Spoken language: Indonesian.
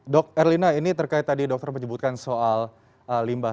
dok erlina ini terkait tadi dokter menyebutkan soal limbah